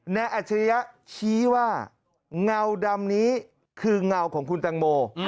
อัจฉริยะชี้ว่าเงาดำนี้คือเงาของคุณตังโม